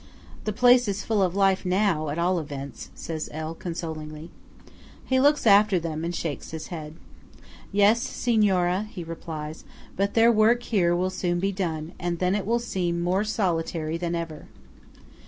"The place is full of life now, at all events," says L., consolingly. He looks after them, and shakes his head. "Yes, Signora," he replies; "but their work here will soon be done, and then it will seem more solitary than ever."